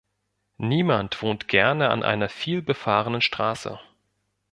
Niemand wohnt gerne an einer vielbefahrenen Straße.